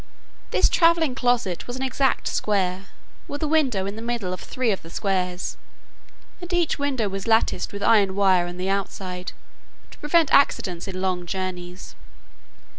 This travelling closet was an exact square, with a window in the middle of three of the squares, and each window was latticed with iron wire on the outside, to prevent accidents in long journeys.